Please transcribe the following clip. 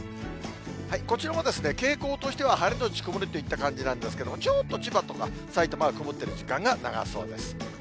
こちらも傾向としては晴れ後曇りといった感じなんですけど、ちょっと千葉とかさいたまは、曇ってる時間が長そうです。